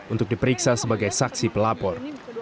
untuk diperiksa sebagai saksi pelapor